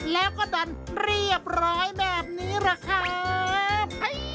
แล้วก็ดันเรียบร้อยแบบนี้แหละครับ